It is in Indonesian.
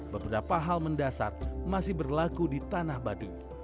beberapa hal mendasar masih berlaku di tanah badu